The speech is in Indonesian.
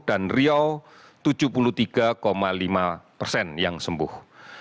dan rio tujuh puluh tiga lima persen yang sembuh